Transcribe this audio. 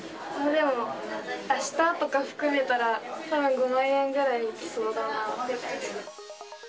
でも、あしたとか含めたら、たぶん５万円ぐらいいきそうだなって感じ。